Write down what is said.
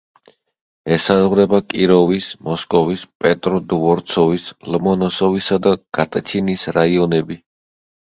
ესაზღვრება კიროვის, მოსკოვის, პეტროდვორცოვის, ლომონოსოვისა და გატჩინის რაიონები.